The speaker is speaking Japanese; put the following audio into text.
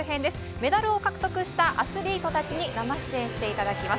メダルを獲得したアスリートたちに生出演していただきます。